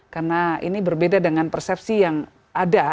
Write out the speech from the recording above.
karena ini berbeda dengan persepsi yang ada